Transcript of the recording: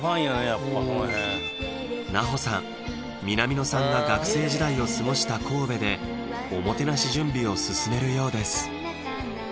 やっぱその辺奈穂さん南野さんが学生時代を過ごした神戸でおもてなし準備を進めるようです